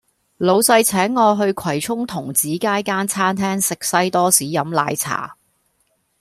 老闆請我去葵涌童子街間餐廳食西多士飲奶茶